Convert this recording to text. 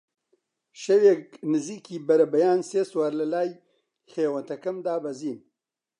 شەوێک نزیکی بەربەیان سێ سوار لای خێوەتەکەم دابەزین